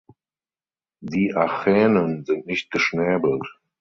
Die Achänen sind nicht geschnäbelt.